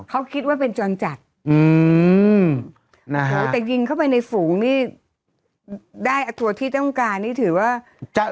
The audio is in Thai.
เขาคิดว่าเป็นจรจัดอืมนะฮะแต่ยิงเข้าไปในฝูงนี่ได้ทัวร์ที่ต้องการนี่ถือว่าจะ